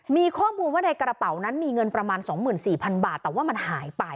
มีข้อมูลว่าในกระเป๋านั้นมีเงินประมาณ๒๔๐๐๐บาทแต่ว่ามันหายไป